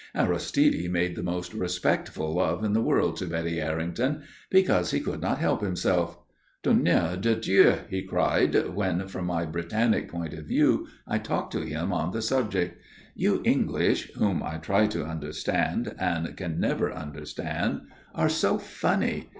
Aristide made the most respectful love in the world to Betty Errington, because he could not help himself. "Tonnerre de Dieu!" he cried when from my Britannic point of view, I talked to him on the subject. "You English whom I try to understand and can never understand are so funny!